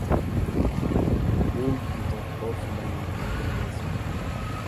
Buuyyu tokkoof manni hin dhimmisu.